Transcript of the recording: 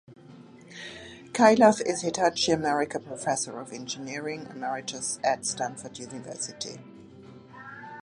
Kailath is Hitachi America Professor of Engineering, Emeritus, at Stanford University.